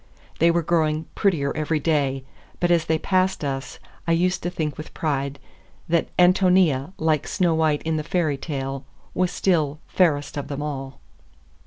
They were growing prettier every day, but as they passed us, I used to think with pride that Ántonia, like Snow White in the fairy tale, was still "fairest of them all."